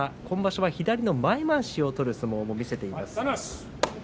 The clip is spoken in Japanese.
今場所は左の前まわしを取る相撲も見せています。